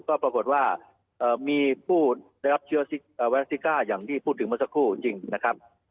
ก็ปรากฏว่ามีผู้ได้รับเชื้อแวสติก้าอย่างที่พูดถึงเมื่อสักครู่จริงนะครับ